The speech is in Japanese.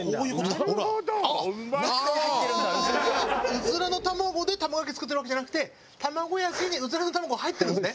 うずらの卵で卵焼き作ってるわけじゃなくて卵焼きにうずらの卵が入ってるんですね。